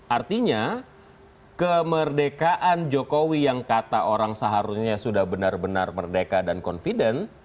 artinya kemerdekaan jokowi yang kata orang seharusnya sudah benar benar merdeka dan confident